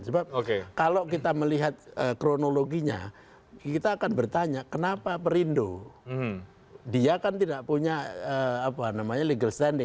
sebab kalau kita melihat kronologinya kita akan bertanya kenapa perindo dia kan tidak punya legal standing